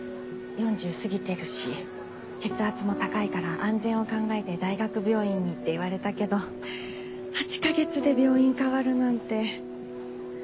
４０過ぎてるし血圧も高いから安全を考えて大学病院にって言われたけど８か月で病院変わるなんて。